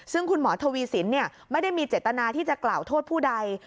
ซึ่งคุณหมอทวีสินไม่ได้มีเจตนาที่จะกล่าวโทษผู้ใด